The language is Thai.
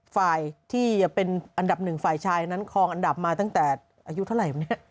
ฝ่ายที่จะเป็นอันดับหนึ่งฝ่ายชายนั้นคลองอันดับมาตั้งแต่อายุเท่าไหร่วันนี้